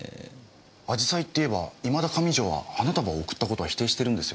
紫陽花っていえばいまだ上条は花束を贈った事は否定してるんですよね？